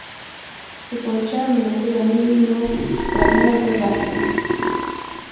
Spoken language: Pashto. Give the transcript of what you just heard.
که توپانچه مناسبه نه وي نو برنر به درکړم